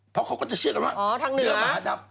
เพราะเขาก็จะเชื่อกันว่าเรือหมาดำ